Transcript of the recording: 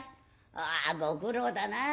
「ああご苦労だなあ。